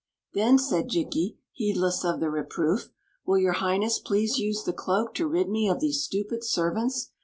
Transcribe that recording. "Then," said Jikki, heedless of the reproof, "will your Highness please use the cloak to rid me of these stupid servants?